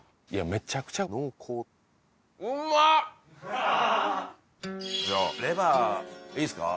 めちゃくちゃ濃厚レバーいいすか？